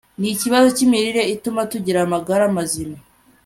nikibazo cyimirire ituma tugira amagara mazima